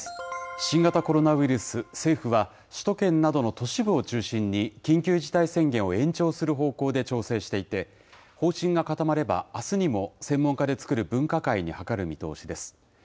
新型コロナウイルス、政府は首都圏などの都市部を中心に、緊急事態宣言を延長する方向で調整していて、方針が固まれば、あすにも専門家で作る分科会に諮る見通しです。